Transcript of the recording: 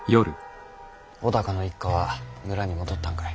尾高の一家は村に戻ったんかい？